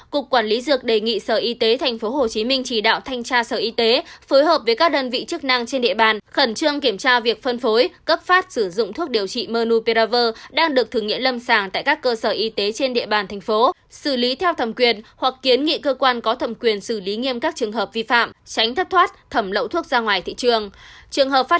cục quản lý dược đề nghị sở y tế tp hcm chỉ đạo thanh tra sở y tế phối hợp với các đơn vị chức năng trên địa bàn khẩn trương kiểm tra việc phân phối cấp phát sử dụng thuốc điều trị mnupiravir đang được thử nghiệm lâm sàng tại các cơ sở y tế trên địa bàn thành phố xử lý theo thẩm quyền hoặc kiến nghị cơ quan có thẩm quyền xử lý nghiêm các trường hợp vi phạm tránh thấp thoát thẩm lậu thuốc ra ngoài thị trường